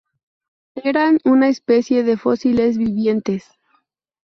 Eran una especie de fósiles vivientes.